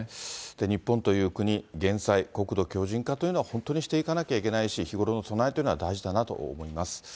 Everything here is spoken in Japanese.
日本という国、減災、国土強じん化というのは本当にしていかなきゃいけないし、日頃の備えというのは大事だなと思います。